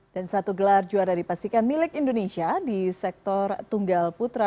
dan satu gelar juara dipastikan milik indonesia di sektor tunggal putra